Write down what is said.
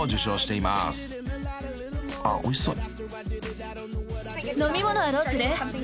［あっおいしそう］